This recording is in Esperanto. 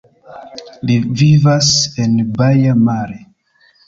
Li vivas en Baia Mare.